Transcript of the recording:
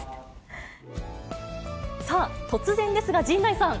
さあ、突然ですが、陣内さん。